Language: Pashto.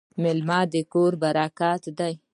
میلمه د کور برکت دی.